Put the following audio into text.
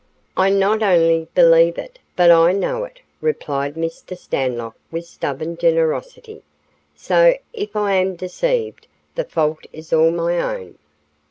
"I not only believe it, but I know it," replied Mr. Stanlock with stubborn generosity. "So, if I am deceived, the fault is all my own.